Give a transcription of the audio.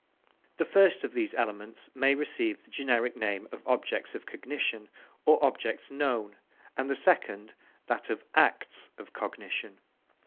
The first of these elements may receive the generic name of objects of cognition, or objects known, and the second that of acts of cognition.